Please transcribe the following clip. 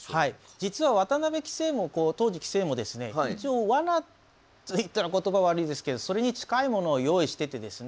実は渡辺棋聖も当時棋聖もですね一応罠と言ったら言葉悪いですけどそれに近いものを用意しててですね